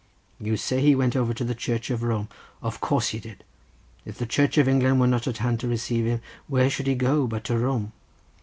You say he went over to the Church of Rome; of course he did, if the Church of England were not at hand to receive him, where should he go but to Rome?